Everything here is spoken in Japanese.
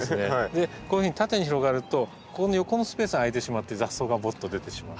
こういうふうに縦に広がるとここの横のスペースが空いてしまって雑草がぼっと出てしまう。